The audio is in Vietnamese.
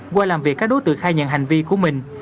qua làm việc các đối tượng khai nhận hành vi của mình